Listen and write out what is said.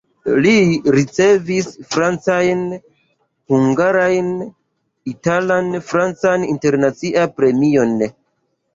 Li ricevis francajn, hungarajn, italan, francan, internacian premiojn.